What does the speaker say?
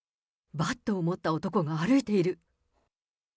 バットを持った男が歩いている。